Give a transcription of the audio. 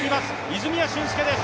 泉谷駿介です。